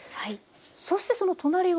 そしてその隣は。